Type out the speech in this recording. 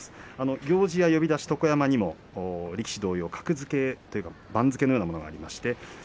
行司や呼出し、床山にも力士同様格付けというか番付のようなものがあります。